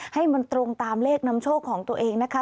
ให้มันตรงตามเลขนำโชคของตัวเองนะคะ